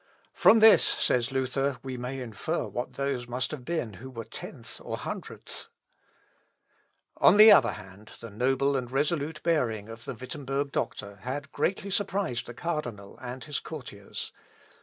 "From this," says Luther, "we may infer what those must have been who were tenth or hundredth." Luth. Ep. i, p. 173. On the other hand, the noble and resolute bearing of the Wittemberg doctor had greatly surprised the cardinal and his courtiers.